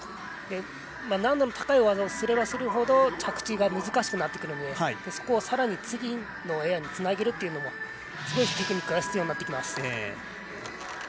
難度の高い技をすればするほど着地が難しくなるのでそこをさらに次のエアにつなげるというのもテクニックが必要になります。